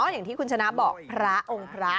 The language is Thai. อย่างที่คุณชนะบอกพระองค์พระ